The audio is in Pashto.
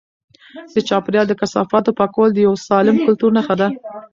د چاپیریال د کثافاتو پاکول د یو سالم کلتور نښه ده.